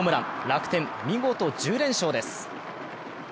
楽天、見事１０連勝です。